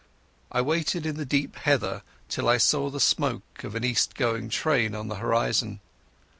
I waited in the deep heather till I saw the smoke of an east going train on the horizon.